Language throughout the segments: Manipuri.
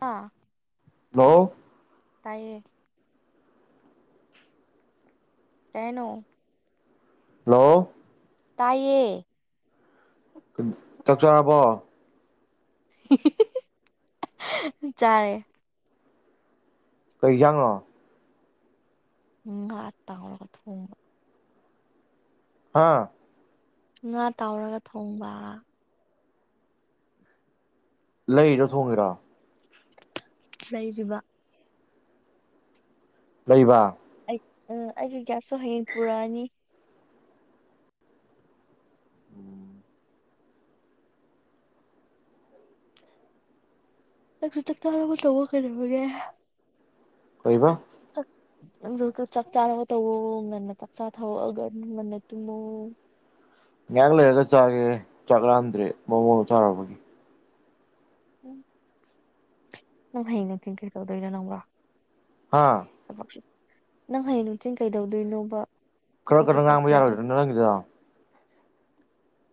ꯑ꯫ ꯍꯜꯂꯣ꯫ ꯇꯥꯏꯌꯦ꯫ ꯀꯩ ꯍꯥꯏꯅꫭ꯫ ꯍꯜꯂꯣ꯫ ꯇꯥꯏꯌꯦ꯫ ꯆꯥꯛꯆꯔꯕꯣ꯫ [unintelligible] ꯆꯥꯔꯦ꯫ ꯀꯩꯖꯥꯡꯅꫭ꯫ ꯎꯝ ꯉꯥ ꯇꯥꯎꯔꯒ ꯊꯣꯡꯕ꯫ ꯑꯥ꯫ ꯉꯥ ꯇꯥꯎꯔꯒ ꯊꯣꯡꯕ꯫ ꯂꯩꯔꯤꯔꫭ ꯊꯣꯡꯉꯤꯔꫭ꯫ ꯂꯩꯔꯤꯕ꯫ ꯂꯩꯕ꯫ ꯎꯝ ꯑꯩꯒꯤ꯫ ꯒ꯭ꯌꯥꯁꯁꯨ ꯍꯌꯦꯡ ꯄꯨꯔꯛꯅꯤ꯫ ꯎꯝ꯫ [unintelligible] ꯀꯩꯕ꯫ ꯅꯪꯖꯨ ꯆꯥꯛ ꯆꯥꯅꯕ ꯇꯧꯋꫭ ꯉꯟꯅ ꯆꯥꯛ ꯆꯊꫭꯛꯑꯒ ꯉꯟꯅ ꯇꯨꯝꯃꯣ꯫ ꯉꯥꯏꯍꯥꯛ ꯂꯩꯔꯒ ꯆꯥꯒꯦ ꯆꯥꯛꯂꯥꯝꯗ꯭ꯔꯦ ꯃꯣꯃꫭ ꯆꯥꯔꯨꯕꯒꯤ꯫ ꯎꯝ꯫ ꯅꯪ ꯍꯌꯦꯡꯅ ꯀꯩꯀꯩ ꯇꯧꯗꯣꯏꯅꯣ ꯅꯪꯕꫭ꯫ ꯍꯥ [unintelligible] ꯅꯪ ꯍꯌꯦꯡ ꯅꯨꯡꯊꯤꯟ ꯀꯩꯗꯧꯗꯣꯏꯅꯣꯕ꯫ ꯈꯔ ꯊꯕꯛꯁꯨ ꯀꯟꯅ ꯉꯥꯡꯕ ꯇꯣꯛꯈ꯭ꯔꯗꯤ ꯌꯥꯔꯣꯏꯗ꯭ꯔ ꯅꯪꯒꯤꯗꫭ꯫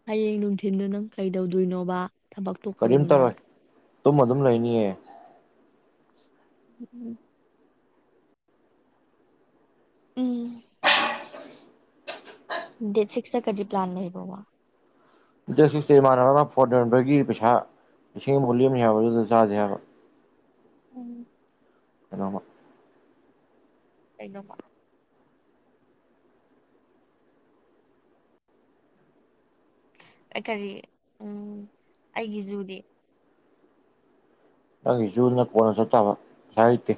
ꯍꯌꯦꯡ ꯅꯨꯡꯊꯤꯟꯗꯣ ꯅꯪ ꯀꯩꯗꯧꯗꯨꯏꯅꯣꯕ ꯊꯕꯛ ꯇꯣꯛꯈ꯭ꯔꯕꯅꯤꯅ ꯇꯨꯝꯃ ꯑꯗꯨꯝ ꯂꯩꯅꯤꯌꯦ [inaudible] ꯎꯝ ꯗꯦꯠ ꯁꯤꯛꯁ ꯇ ꯀꯔꯤ ꯄ꯭ꯂꯥꯟ ꯂꯩꯕꯔꯣꯕ ꯗꯦꯠ ꯁꯤꯛꯁꯦ ꯏꯃꯥꯟꯅꯕꯃ ꯐꯣꯟ ꯌꯣꯟꯕꯒꯤ ꯄꯩꯁꯥ ꯂꯤꯁꯤꯡ ꯑꯃꯃꯨꯛ ꯂꯦꯝꯅꯤ ꯍꯥꯏꯕ ꯑꯗꯨꯏ ꯆꯖꯦ ꯍꯥꯏꯕ ꯎꯝ [inaudible] ꯀꯩꯅꯣꯕ ꯑꯩꯀꯔꯤ ꯎ ꯑꯩꯒꯤ ꯖꯨꯗꯤ ꯅꯪꯒꯤ ꯖꯨꯗꯨꯅ ꯀꯣꯟ ꯆꯠ ꯇꯥꯕ ꯄꯩꯁꯥ ꯂꯩꯇꯦ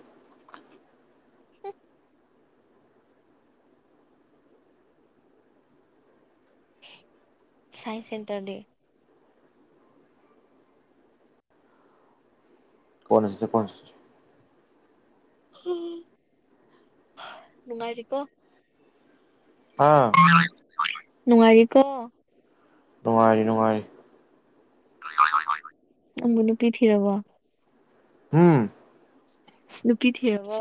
ꯁꯥꯏꯟꯁ ꯁꯦꯟꯇꯔꯗꯤ ꯀꯣꯟꯅ ꯆꯠꯁꯦ ꯀꯣꯟꯅ ꯆꯠꯁꯦ ꯍꯨ ꯍꯥ ꯅꯨꯉꯥꯏꯔꯤꯀꯣ ꯍꯥ ꯅꯨꯉꯥꯏꯔꯤꯀꯣ ꯅꯨꯡꯉꯥꯏꯔꯤ ꯅꯨꯡꯉꯥꯏꯔꯤ ꯅꯪꯕꯨ ꯅꯨꯄꯤ ꯊꯤꯔꯕꯣ ꯎꯝ ꯅꯨꯄꯤ ꯊꯤꯔꯕꯣ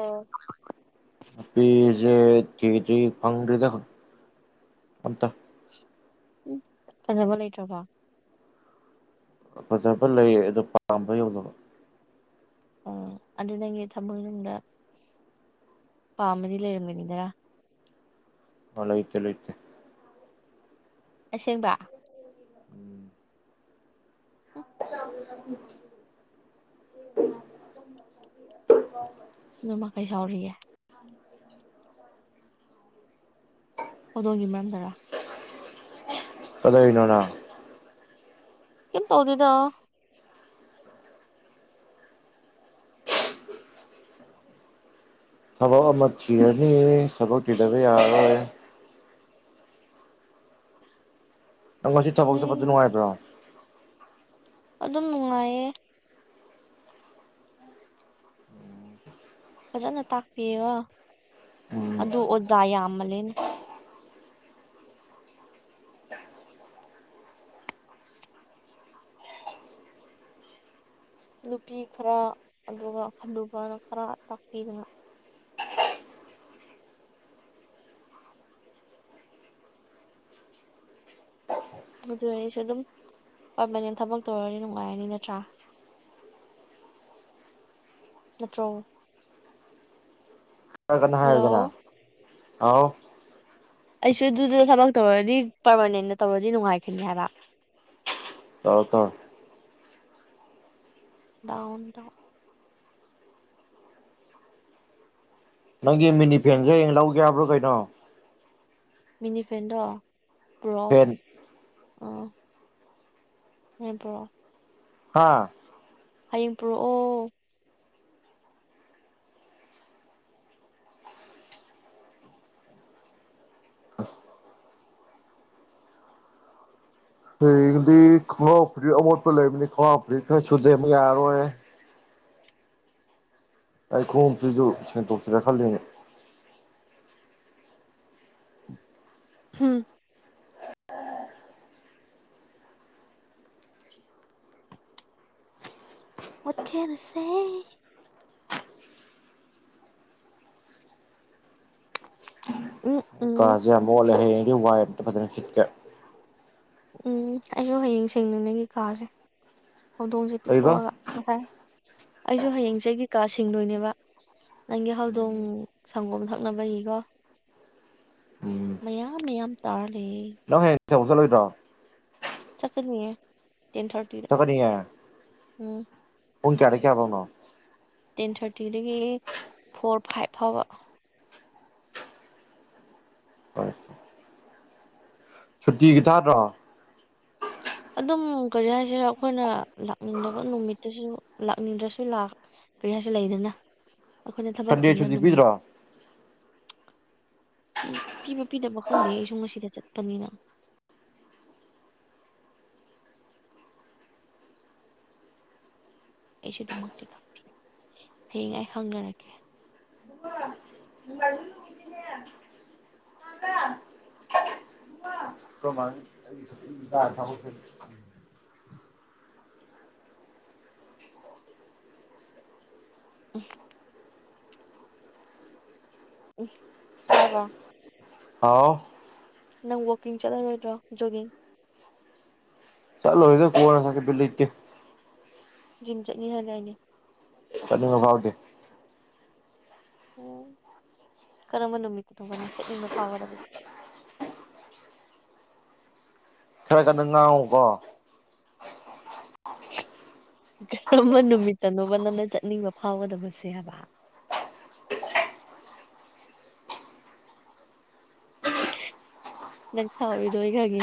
ꯅꯨꯄꯤꯖꯦ ꯊꯤꯗꯔꯤ ꯐꯪꯗꯔꯤꯗ ꯑꯝꯇ ꯎ ꯐꯖꯕ ꯂꯩꯇꯔꯕꯣ ꯐꯖꯕ ꯂꯩ ꯑꯗꯣ ꯄꯥꯝꯕ ꯌꯧꯗꯕ ꯑꯥ ꯑꯗꯣ ꯅꯪꯒꯤ ꯊꯃꯣꯏꯅꯨꯡꯗ ꯄꯥꯝꯕꯗꯤ ꯂꯩꯔꯝꯒꯅꯤꯗꯥꯅ ꯂꯩꯇꯦ ꯂꯩꯇꯦ ꯑꯁꯦꯡꯕ ꯎꯝ [unintelligible] ꯅꯣꯏꯃ ꯀꯩ ꯁꯥꯎꯔꯤꯌꯦ [unintelligible] ꯍꯧꯗꯣꯡꯒꯤ ꯃꯔꯝꯗꯔ ꯀꯗꯧꯅꯣ ꯅꯪ ꯀꯩꯝ ꯇꯧꯗꯦꯗ ꯊꯕꯛ ꯑꯃ ꯊꯤꯔꯅꯤ ꯊꯕꯛ ꯊꯤꯗꯕ ꯌꯥꯔꯔꯣꯏ ꯅꯪ ꯉꯁꯤ ꯊꯕꯛ ꯎꯝ ꯆꯠꯄꯗꯤ ꯅꯨꯉꯥꯏꯕ꯭ꯔꯣ ꯑꯗꯨꯝ ꯅꯨꯉꯥꯏꯌꯦ ꯐꯖꯅ ꯇꯥꯛꯄꯤꯌꯦꯕ ꯎꯝ ꯑꯗꯨ ꯑꯣꯖꯥ ꯌꯥꯃꯜꯂꯦꯅꯦ ꯅꯨꯄꯤ ꯈꯔ ꯑꯗꯨꯒ ꯍꯟꯅꯨꯕꯔ ꯈꯔ ꯇꯥꯛꯄꯤꯗꯅ ꯑꯗꯨ ꯑꯣꯏꯔꯁꯨ ꯑꯗꯨꯝ ꯄꯥꯔꯃꯥꯅꯦꯟ ꯊꯕꯛ ꯇꯧꯔꯗꯤ ꯅꯨꯡꯉꯥꯏꯔꯅꯤ ꯅꯠꯇ꯭ꯔꯥ ꯅꯠꯇ꯭ꯔꯣ ꯈꯔ ꯀꯟꯅ ꯍꯜꯂꯣ ꯍꯥꯏꯌꯨꯗꯅ ꯍꯥꯎ ꯑꯩꯁꯨ ꯑꯗꯨꯗꯨꯗ ꯊꯕꯛ ꯇꯧꯔꯗꯤ ꯄꯥꯔꯃꯥꯅꯦꯟꯗ ꯇꯧꯔꯗꯤ ꯅꯨꯡꯉꯥꯏꯈꯤꯅꯤ ꯍꯥꯏꯕ ꯇꯧꯔꯣ ꯇꯧꯔꯣ ꯗꯥꯎꯟꯇ ꯅꯪꯒꯤ ꯃꯤꯅꯤꯐꯦꯟꯁꯦ ꯍꯌꯦꯡ ꯂꯧꯒꯦꯕ꯭ꯔꯣ ꯀꯩꯅꯣ ꯃꯤꯅꯤ ꯐ꯭ꯔꯦꯟꯗꯣ ꯀ꯭ꯔꯣ ꯐꯦꯟ ꯑꯣ ꯎ ꯄ꯭ꯔꯣ ꯍꯥꯥ ꯍꯌꯦꯡ ꯄꯨꯔꯛꯑꯣ ꯍꯌꯦꯡꯗꯤ ꯈꯣꯡꯉꯥꯎ ꯐꯨꯔꯤ ꯑꯃꯣꯠꯄ ꯂꯩꯕꯅꯤ ꯈꯣꯡꯉꯥꯎ ꯐꯨꯔꯤ ꯈꯔ ꯁꯨꯗꯕ ꯌꯥꯔꯣꯏ ꯑꯩ ꯈꯣꯡꯁꯨꯏꯁꯨ ꯁꯦꯡꯇꯣꯛꯁꯤꯔ ꯈꯜꯂꯅꯦ ꯍꯝ ꯋꯦꯠ ꯀꯦꯟ ꯑꯥꯏ ꯁꯦ [unintelligible] ꯎꯝ ꯎꯝ ꯀꯥꯖꯦ ꯌꯥꯝ ꯃꯣꯠꯂꯦ ꯑꯗꯨ ꯋꯥꯏ ꯑꯝꯇꯥ ꯐꯖꯅ ꯁꯤꯠꯀꯦ ꯎꯝ ꯑꯩꯁꯨ ꯍꯌꯦꯡ ꯁꯦꯡꯌꯦ ꯑꯩꯒꯤ ꯀꯥꯁꯦ ꯍꯧꯗꯣꯡꯁꯦ ꯀꯩꯕ ꯄꯤꯊꯣꯛꯑꯒ ꯉꯁꯥꯏ ꯑꯩꯁꯨ ꯍꯌꯦꯡꯁꯒꯤ ꯀꯥ ꯁꯤꯡꯡꯂꯣꯏꯅꯦꯕ ꯅꯪꯒꯤ ꯍꯧꯗꯣꯡ ꯁꯪꯒꯣꯝ ꯊꯛꯅꯕꯒꯤꯀꯣ ꯃꯌꯥꯝ ꯃꯌꯥꯝ ꯇꯥꯔ ꯂꯩꯌꯦ ꯅꯍꯣꯏ ꯆꯠꯂꯣꯏꯗ꯭ꯔꯣ ꯆꯀꯅꯤꯌꯦ ꯆꯀꯅꯤꯡꯉ ꯎꯝ ꯍꯨꯡ ꯀꯦꯔ ꯀꯌꯥꯕꯥꯎꯅꯣ ꯇꯦꯟ ꯊꯥꯔꯇꯤꯗꯒꯤ ꯐꯣꯔ ꯐꯥꯏꯚ ꯐꯥꯎꯕ ꯍꯣꯏ ꯍꯣꯏ ꯁꯨꯇꯤ ꯀ ꯊꯗ꯭ꯔꯣ ꯑꯗꯨꯝ ꯀꯔꯤ ꯍꯥꯏꯁꯤꯦ ꯑꯩꯈꯣꯏꯅ ꯂꯥꯛꯅꯤꯡꯗꯕ ꯅꯨꯃꯤꯠꯇꯁꯨ ꯂꯥꯛꯅꯤꯡꯗ꯭ꯔꯁꯨ ꯀꯔꯤ ꯍꯥꯏꯁꯤꯦ ꯂꯩꯗꯅ ꯑꯩꯈꯣꯏꯅ ꯊꯕꯛ ꯁꯟꯗꯦ ꯆꯤꯟꯕ ꯁꯨꯖꯤ ꯅꯨꯃꯤꯠ ꯄꯤꯖꯔꯥ ꯄꯤꯕ ꯄꯤꯗꯕ ꯈꯪꯗꯦ ꯑꯩꯁꯨ ꯉꯁꯤꯗ ꯆꯠꯄꯅꯤꯅ ꯑꯩꯁꯨ ꯑꯗꯨꯃꯛꯇꯤ ꯈꯪꯗ꯭ꯔꯦ ꯍꯌꯦꯡ ꯑꯩ ꯍꯪꯅꯔꯛꯀꯦ ꯑꯩꯗ ꯊꯕꯁ ꯎꯝ ꯎ ꯇꯥꯔꯕꯣ ꯑꯥꯎ ꯅꯪ ꯋꯀꯤꯡ ꯆꯠꯂꯔꯣꯏꯗ꯭ꯔꯣ ꯖꯣꯒꯤꯡ ꯆꯂꯣꯗ ꯀꯔꯁꯦ ꯄꯤꯂ ꯏꯇꯦ ꯖꯤꯝ ꯆꯠꯅꯤ ꯍꯥꯏꯅ ꯑꯩꯅꯦ ꯆꯠꯅꯤꯡꯕ ꯐꯥꯎꯗꯦ ꯎꯝ ꯀꯔꯝꯕ ꯅꯨꯃꯤꯠꯇ ꯇꯣꯕ ꯅꯪ ꯆꯠꯅꯤꯡꯕ ꯐꯥꯎꯒꯗꯁꯦ ꯇ꯭ꯔꯥꯏ ꯀꯗ ꯑꯃꯀꯣ ꯀꯔꯝꯕ ꯅꯨꯃꯤꯠꯇꯅꯣꯕ ꯅꯪꯅ ꯆꯠꯅꯤꯡꯕ ꯐꯥꯎꯒꯗꯕꯁꯦ ꯍꯥꯏꯕ ꯅꯪ ꯁꯥꯎꯔꯤꯗꯣꯏ ꯈꯒꯦ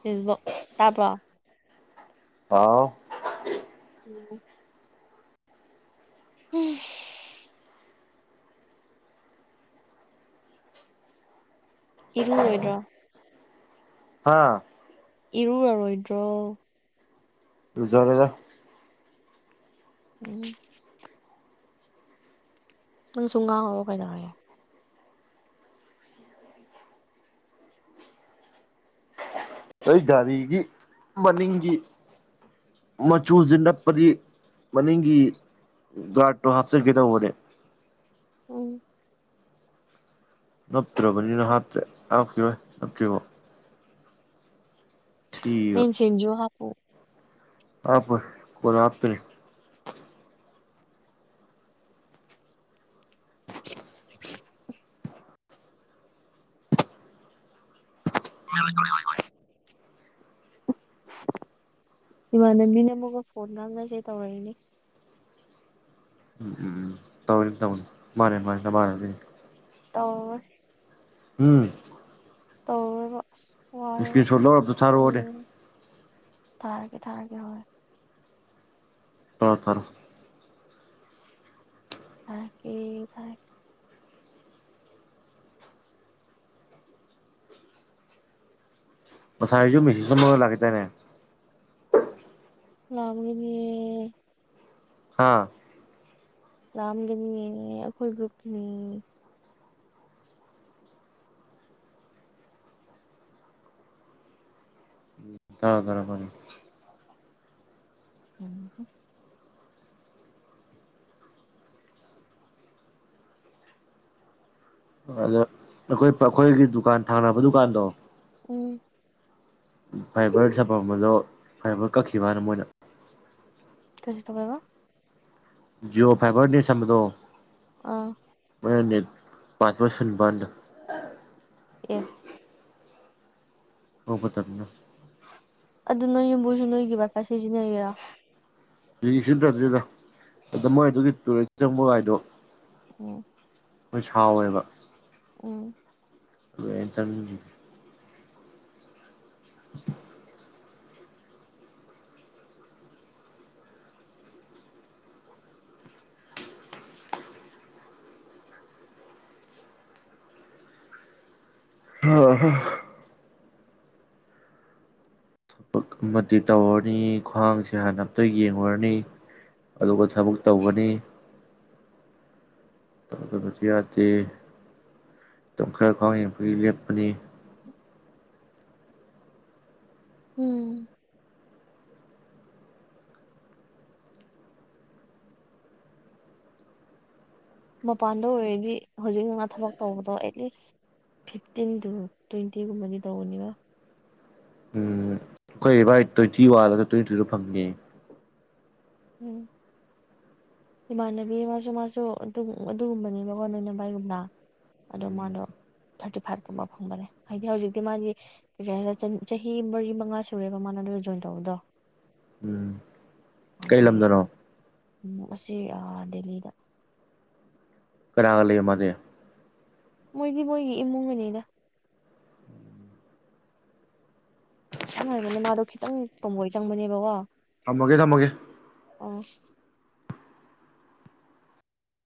ꯐꯦꯁꯕꯛ ꯇꯥꯄ ꯍꯥꯎ ꯎꯝ ꯎꯝ ꯏꯔꯨꯔꯣꯏꯗ꯭ꯔꯣ ꯍꯥꯥ ꯏꯔꯨꯔꯥꯔꯣꯏꯗ꯭ꯔꯣ ꯂꯨꯖꯔꯦꯗ ꯎꯝ ꯅꯪ ꯁꯨꯝ ꯉꯥꯡꯉꯑꯣ ꯀꯩꯗꯧꯔꯒꯦ ꯑꯩ ꯒꯥꯔꯤꯒꯤ ꯃꯅꯤꯡꯒꯤ ꯃꯆꯨꯁꯤ ꯅꯞꯄꯗꯤ ꯃꯅꯤꯡꯒꯤ ꯒꯥꯔꯗꯠꯇꯣ ꯍꯥꯞꯆꯤꯟꯒꯦꯗꯧꯕꯅꯦꯦ ꯎꯝ ꯅꯞꯇ꯭ꯔꯕꯅꯤꯅ ꯍꯥꯞꯇꯦ ꯍꯥꯞꯇꯣ ꯅꯞꯇ꯭ꯔꯤꯕꯣ ꯃꯁꯤꯦꯟꯖꯣ ꯍꯥꯄꯨ ꯍꯥꯥ ꯍꯥꯇꯔ [inaudible] ꯏꯃꯥꯟꯅꯕꯤꯅ ꯑꯃꯨꯛꯀ ꯐꯣꯟ ꯉꯥꯡꯅꯁꯦ ꯇꯧꯔꯛꯏꯅꯤ ꯇꯧꯔꯤ ꯇ ꯃ ꯃ ꯗꯅꯤ ꯇ ꯎꯝ ꯑ ꯏꯁꯀꯤꯔꯤ ꯁꯣꯔ ꯂꯧꯔꯔꯕꯇ ꯊꯥꯔꯨꯑꯣꯅꯦꯦ ꯊꯥꯔꯛꯒꯦ ꯊꯥꯔꯒꯦ ꯍꯣꯏ ꯇ ꯇꯔ ꯊꯦ ꯊꯦ ꯃꯁꯥꯥꯏꯁꯨ ꯃꯁꯤ ꯆ ꯂꯥꯛꯗꯅꯦ ꯂ ꯍꯥꯥ ꯂꯝꯒꯅꯤ ꯑꯩꯈꯣꯏ ꯭ꯔꯨꯞꯨꯞꯅꯤ ꯎ ꯇꯔꯣ ꯇꯔꯣ ꯐꯅꯤ ꯎꯝ ꯑꯗ ꯑꯩꯈꯣꯏ ꯑꯩꯈꯣꯏꯒꯤ ꯗꯨꯀꯥꯟ ꯊꯥꯅꯕ ꯗꯨꯀꯥꯟꯗꯣ ꯎ ꯐꯥꯏꯕꯔ ꯁꯥꯐꯝꯝꯕꯗꯣ ꯐꯥꯏꯕꯔ ꯀꯛꯈꯤꯕꯅ ꯃꯣꯏꯅ ꯀꯁꯨ ꯊꯕꯥꯕ ꯌꯣ ꯐꯦꯕꯋꯥꯔꯤꯗꯤꯁꯣ ꯑꯥ ꯄꯥꯁ ꯄꯁꯅꯤꯕꯗ ꯑꯦ ꯍꯧꯕ ꯇꯕꯅ ꯑꯗꯨ ꯅꯣꯏ ꯌꯨꯝꯕꯨꯁꯨ ꯅꯣꯏꯒꯤ ꯕꯥꯏꯄꯥ ꯁꯤꯖꯤꯟꯅꯔꯤꯔ ꯌꯦꯁꯤꯟ ꯆꯗ꯭ꯦꯗ ꯑꯗ ꯃꯣꯏꯗꯨꯒꯤ ꯇꯨꯔꯦꯟ ꯆꯪꯕ ꯒꯥꯥꯏꯗꯣ ꯑꯣ ꯑꯩꯣꯏ ꯍꯥꯎꯋꯦꯕ ꯑꯣ ꯇ [inaudible] ꯍ ꯊꯕꯛ ꯑꯃꯗꯤ ꯇꯧꯔꯅꯤ ꯈ꯭ꯋꯥꯡꯁꯦ ꯍꯥꯟꯅ ꯑꯝꯇ ꯌꯦꯡꯉꯨꯔꯅꯤ ꯑꯗꯨꯒ ꯊꯕꯛ ꯇꯧꯒꯅꯤ ꯇꯕꯁꯨ ꯌꯥꯗꯦ ꯑꯗꯨ ꯈꯔ ꯈꯋꯥ ꯂꯦꯞꯄꯅꯤ ꯎꯝ ꯃꯄꯥꯟꯗ ꯑꯣꯏꯔꯗꯤ ꯍꯧꯖꯤꯛ ꯉ ꯊꯕꯛ ꯇꯧꯕꯗꯣ ꯑꯦꯠꯂꯤꯁ ꯐꯤꯐꯇꯤꯟ ꯇꯨ ꯇ꯭ꯋꯦꯟꯇꯤꯒꯨꯝꯕꯗꯤ ꯇꯧꯕꯅꯤꯕ ꯎꯝ ꯑꯩꯈꯣꯏ ꯚ ꯇ꯭ꯋꯦꯟꯇꯤ ꯋꯥꯜꯂꯒ ꯇ꯭ꯋꯦꯟꯇꯤ ꯇ꯭ꯔꯤꯗ ꯐꯪꯉꯤ ꯎꯝ ꯏꯃꯥꯟꯅꯕꯤ ꯃꯥꯁꯨ ꯃꯥꯁꯨ ꯑꯗꯨꯝ ꯑꯗꯨꯒꯨꯝꯕꯅꯦꯕꯀꯣ ꯅꯣꯏ ꯅꯝꯕꯔꯒꯨꯝꯂꯥ ꯑꯗꯣ ꯃꯥꯗꯣ ꯊꯥꯔꯇꯤ ꯐꯥꯏꯚꯀꯨꯝꯕ ꯐꯪꯕꯅꯦ ꯍꯥꯏꯗꯤ ꯍꯧꯖꯤꯛꯇꯤ ꯃꯥꯒꯤ ꯄ ꯆꯍꯤ ꯃꯔꯤ ꯃꯉꯥ ꯁꯨꯔꯦꯕ ꯃꯥꯅ ꯑꯗꯨ ꯖꯣꯏꯟ ꯇꯧꯕꯗꯣ ꯎꯝ ꯀꯩ ꯂꯝꯗꯅꯣ ꯎꯝ ꯑꯁꯤ ꯑꯥ ꯗꯦꯜꯂꯤꯗ ꯀꯅꯥꯒ ꯂꯩ ꯃꯥꯅꯦꯦ ꯃꯣꯏꯗꯤ ꯃꯣꯏꯒꯤ ꯏꯃꯨꯡ ꯃꯅꯨꯡꯅꯤꯗ ꯀꯃꯥꯏ ꯃꯅꯤ ꯃꯥꯔ ꯈꯈꯤ ꯇꯪ ꯇꯣꯝꯕꯣꯏ ꯆꯪꯕꯅꯦꯕꯀꯣ ꯊꯝꯃꯒꯦ ꯊꯝꯃꯒꯦ ꯑꯣ